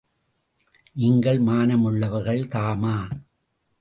நீங்கள் மானமுள்ளவர்கள் தாமா?